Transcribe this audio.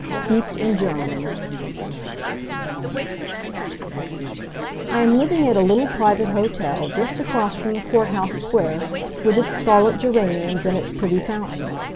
STEEPED IN GERMAN I am living at a little private hotel just across from the court house square with its scarlet geraniums and its pretty fountain.